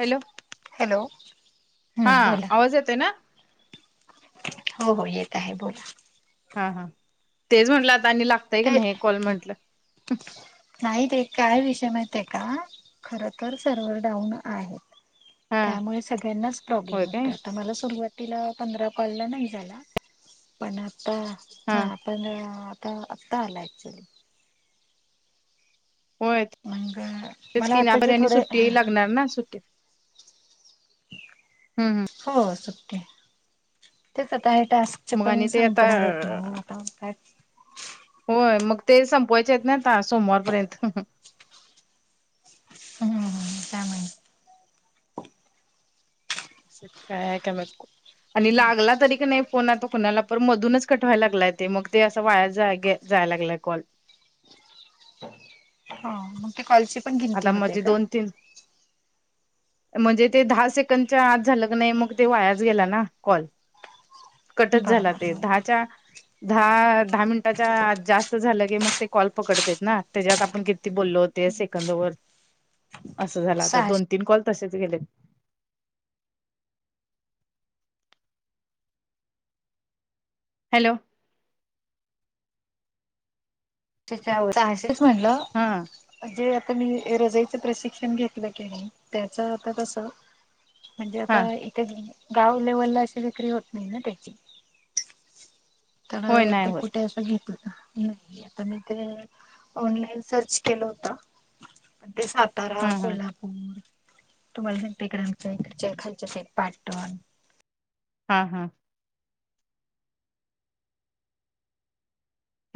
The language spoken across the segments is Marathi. Hello hello! हम्म हा, बोला आवाज येतोय ना? हो हो येत आहे बोला. हा हा, तेच म्हटलं आता आणि लागतयं कि ते नाही हे कॉल म्हंटलं. नाही ते काय विषय माहिती आहे का, खरं तर सर्व्हर डाऊन आहे. हा त्यामुळे सगळ्यांनाच होय प्रॉब्लेम काय येतोय. आता मला सुरुवातीला पंधरा कॉलला नाही झाला, पण आता हा पण आता, आत्ता आला ॲक्च्युली. होय. मग तेचं मला कि आणि वाटतं आता जे त्यांनी थोडे सुट्टीही लागणार ना सुट्टी हम्म हो सुट्टी, तेच आता हे टास्क च मग पण आणि ते आता संपणार आहेत ना ओ आता काय होय, मग ते संपवायचे आहेत ना आता सोमवार पर्यंत. त्यामुळेच काय [unintelligible] का आणि बर लागला तरी की नाही फोन आता कुणाला पण मधूनच कट व्हायला लागलाय, ते मग ते असा वाया जा जाया लागलाय कॉल. हा मग ते कॉलची पण गिनती आता होते मजी का दोन तीन म्हणजे ते दहा सेकंडच्या आज झालं का नाही मग ते वायाचं गेला ना कॉल. कटचं झाला बरोबर ते दहाच्या दहा दहा मिनिटाच्या जास्त झालं की मग ते कॉल पकडतय त्याच्यात आपण किती बोललो ते सेकंद वर असं झालं आता सहाशे दोन कॉल तीन कॉल तसेच गेले. हॅलो! त्याच्यावर झसेच म्हणलं हा. जे आता मी एरोजाच प्रशिक्षण घेतलं कणी त्याचं आता तसं म्हणजे आता हा इथे गाव लेवलला अशी विक्री होत नाही ना त्याची. तर होय नाही ते होत कुठे असं घेतलं नाही आता ते ऑनलाईन सर्च केलं होत ते सातारा, हा हा कोल्हापूर, तुम्हाला सांगते इकडे खालच्या इकडच्या खालच्या सा एक पाटण हा हा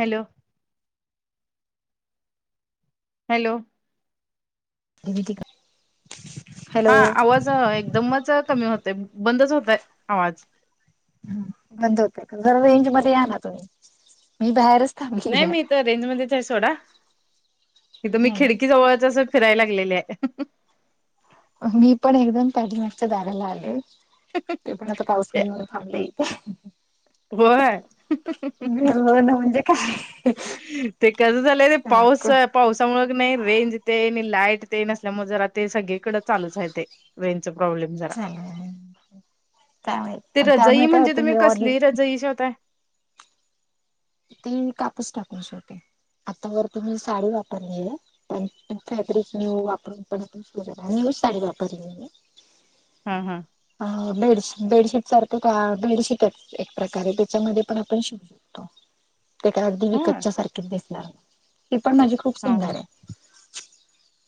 हॅलो हॅलो म्हणजे हा आवाज एकदमच कमी होते बंदच होतय आवाज. बंद होत का जरा रेंज मध्ये या ना तुम्ही मी बाहेरच थांबले रेंज मध्येच आहे सोडा हित मी खिडकी जवळच अस फिरायला लागलेले आहे. मी पण एकदम पॅडीमागच्या दाराला आले ते पण आता पाऊस नाही म्हणून थांबले.. होय हो म्हणजे काय? ते कसं झालंय ते चला पाऊस पाऊस, मुळ कणी रेंज ते आणि लाईट ते नसल्यामुळे जरा ते सगळीकडें चालूच आहे ते वेनच प्रॉब्लेम जरा. चालेल त्यामुळे ते आणि रजई त्यामुळे काय म्हणजे होते तुम्ही हे ऑल कसली रजई शेवताय? ते कापूस टाकून शिवते आता, वर तुम्ही साडी वापरली आहे. फॅब्रिक वापरून पणण शरा न साडी वापरली मी. हा हा अ बेड बेडशीट सारखं का बेडशीटच? एक प्रकारे त्याच्यामध्ये पण आपण शिकू शकतो. ते का अगदी हो हा विकतच्या सारखीच दिसणार ती पण माझी खूप हा सुंदर आहे.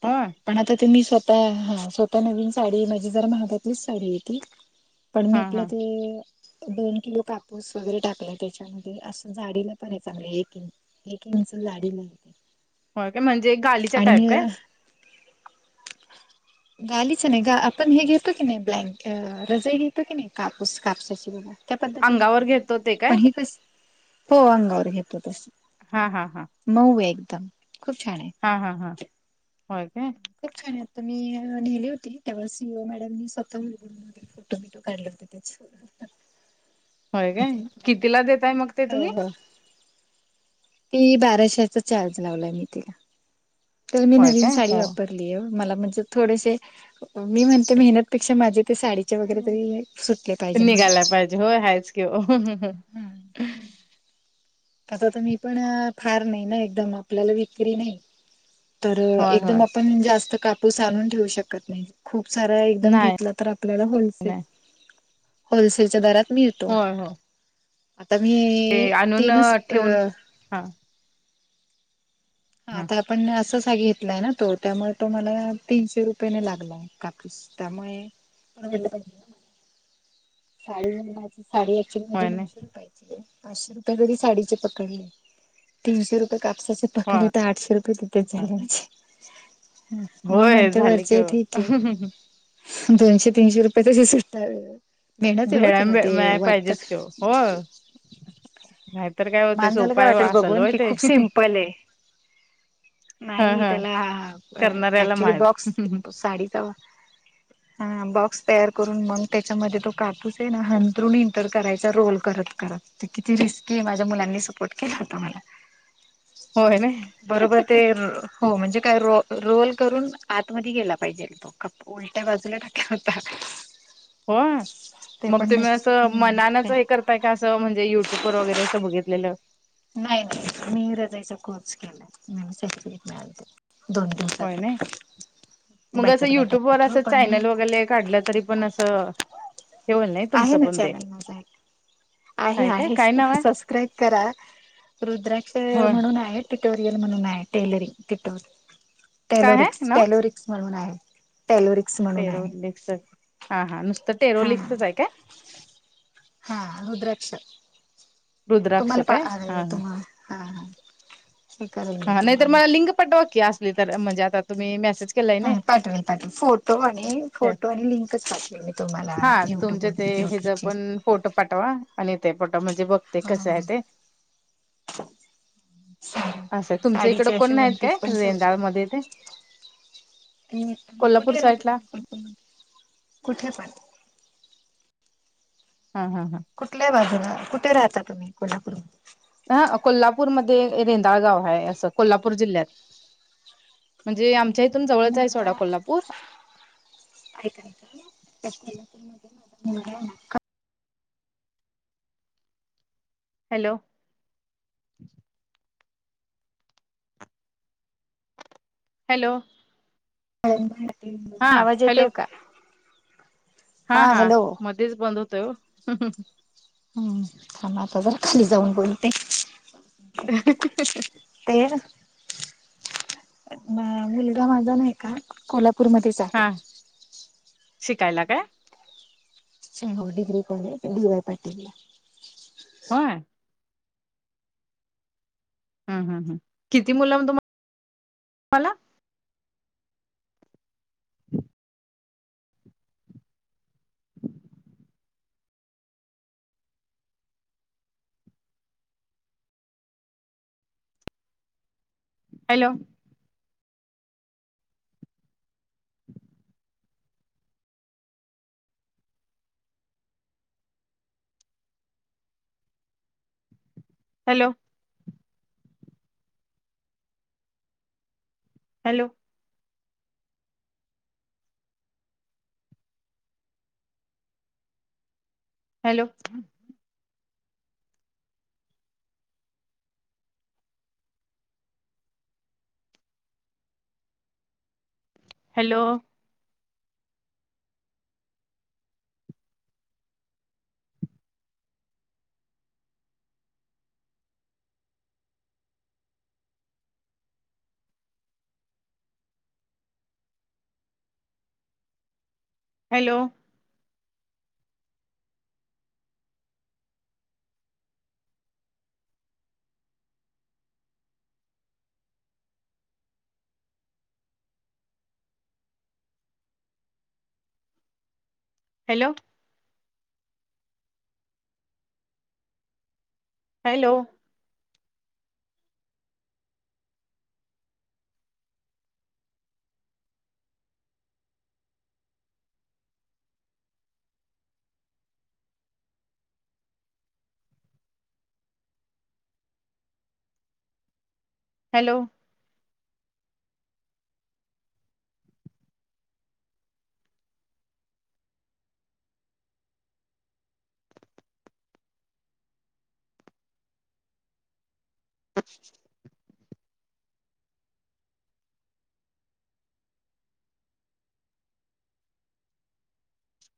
होय पण आता ते मी स्वतः हा स्वतः नवीन साडी माझी जर महागातलीच साडी ये ती, पण मी हा हा आपल्या ते दोन किलो कापूस वगैरे टाकला त्याच्यामध्ये अस जाडीला पण यायचा म्हण एक इंच एक इंच जाडीला. हो काय म्हणजे एक गालीचा टाईप काय? [unintelligible] गालीच्या नाही गा आपण हे घेतो की नाही ब्लँक रजाई घेतो की नाही कापूस कापसाची बघा त्या पद्धती अंगावर घेतो ते काय पण हे तस हो अंगावर घेतो तस. हा हा हा मऊ आहे एकदम खूप छान आहे. हा हा हा होेय काय? खूप छान आहे, आता मी नेले होते तेव्हा सीओ मॅडम स्वतः बूनग फोटो काढले होत त्याच होय काय कितीला देताय मग ते हो तुम्ही? हो ती बाराशेचा चार्ज लावलाय मी तिला तर मी होय नवीन काय साडी हो वापरते. मला म्हणजे थोडेशे मी म्हणजे मेहनत पेक्षा माझी ती साडी वगैरे तरी सुटले पाहिजेन मला निघायला पाहिजे होय हायच कि ओ आता तर मी पण फार नाही ना एकदम आपल्याला विक्री नाही, तर होय एकदम आपण जास्त कापूस आणून ठेवू शकत नाही. खूप सारा एकदम नाही घेतला तर आपल्याला होलसेल नाही - - होलसेलच्या दरात मी होय हो. आता मी तीनच म्हूनन ठेवून अ हा. हा हाता आपण असंच हा घेतलाय ना तो त्यामुळे तो मला तीनशे रुपयेन लागला कापूस. त्यामुळे [unintelligible] साडी म्हणजे [unintelligible] साडी ॲक्चुली माझी होय नाही नऊशे रुपये पाचशे रुपये जरी साडीचे पकडले. तीनशे रुपये कापसाचे - - पकडले होय तर आठशे रुपये तिथेच झाले माझे. ह मी होय म्हणते झाले कि वरचे ओ ठीक कै. दोनशे, तीनशे रुपये तेजे [unintelligible] मेहणत आहे ओ भेळा तेला ते मिळाय वाटत. पाहिजेच कि ओ हो नाहीतर काय होते माणसाला काय सोपाय वाटेल असल बघून होय कि ते खूप सिंपलए. हा नाही. हा त्याला करणाऱ्याला ऍक्च्युली माहित बॉक्स साडीचा हा. बॉक्स तयार करून मग त्याच्यामध्ये तो कापूस हेना हंथरुण इंटर करायचा रोल करत करत. ते किती रिस्की माझ्या मुलांनी सपोर्ट केला होता मला. होय नाही बरोबर ते हो म्हणजे काय रो रोल करून आतमध्ये गेला पाहिजे तो कापू- - उल्ट्या बजला टाकला होता. होय. ते मग पण नाही तुम्ही असं हम्म ते मनानच हे कर- - ता का? अस म्हणजे युट्यूब वगैरे असं बघितलेलं. नाही. नाही. मी [unintelligible] कोर्स केलाय. हं. सर्टिफिकेट मिळालतं. दोन दिवसात होय नाही फक्त. मग असं युट्यूब वर असं चॅनल वगैले काढलं तरी पण असं - - आहे ना चॅनल [unintelligible] आहे. हाय काय आहे. काय नाव आहे सबस्क्राईब करा. रुद्राक्ष होय म्हणून आहे. ट्युटोरियल म्हणून आहे. Tailoring tutor. काय आहे टेलोरिक्स, नाव टेलोरिक्स म्हणून आहे. टेलोरिक्स म्हण टेरोलेक्स हा. हा. नुसतं टेरो हा लिकसच हाय काय? हा. रुद्राक्ष रुद्राक्ष तुम्हाला पा काय हा हा तुम्हा हा. हा. हे करेल मी हा नाही तर तुम्हाला. मला लिंक पाटवा की असली तर म्हणजे आता तुम्ही मेसेज केलाय हा. नाही पाठवेल पाठवू फोटो आणि त्या फोटो आणि लिंकच पाठवेल मी तुम्हाला युट्यूबवर यु तिचं पण फोटो पाठवा आणि ते फोटो म्हणजे बघते कसं हा हाय ते. असं [unintelligible] तुमच्या इकडं साडीचे कोण असे नाहीत काय वनपीस पण शिवतो. रेंदाळमध्ये ते [unintelligible] कोल्हापूर कुठे रा साईडला [unintelligible] कुठे पण. ह, हं, हं. कुठल्या बाजूला? कुठे राहता तुम्ही? कोल्हापुर [unintelligible] अहं. कोल्हापूरमध्ये रेंदाळगाव हाय असं कोल्हापूर जिल्ह्यात. म्हणजे आमच्या इथून जवळच हाय सोडा कोल्हापूर. आयकाना [unintelligible] हॅलो. हॅलो. हा [unintelligible] आवाज हॅलो येतोय का? हा. हा. मध्येच बंद होतोय ओ. हम्म. हम्म. थांबा आता जरा खाली जाऊन बोलते. [unintelligible] तेज [inaudible] मुलगा माझा नाही का कोल्हापूरमध्ये, हा, शिकायला काय? ह. होय, degree college D Y Patil ला होय. हम हम हा किती मुल तुम्ह ह [inaudible] hello, hello, hello, hello, hello, hello, hello, hello, hello,